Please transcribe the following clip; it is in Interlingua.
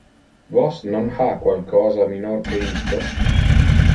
Vos non ha qualcosa minor que isto?